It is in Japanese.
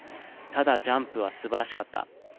ただジャンプは素晴らしかった。